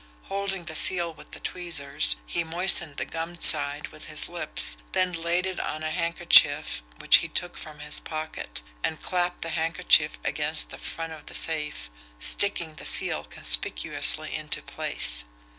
Holding the seal with the tweezers, he moistened the gummed side with his lips, then laid it on a handkerchief which he took from his pocket, and clapped the handkerchief against the front of the safe, sticking the seal conspicuously into place.